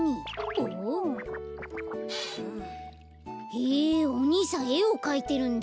へえおにいさんえをかいてるんだ。